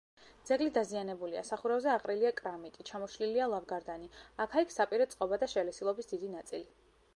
ძეგლი დაზიანებულია: სახურავზე აყრილია კრამიტი, ჩამოშლილია ლავგარდანი, აქა-იქ საპირე წყობა და შელესილობის დიდი ნაწილი.